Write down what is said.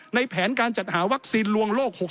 แผนการจัดหาวัคซีนลวงโลก๖๒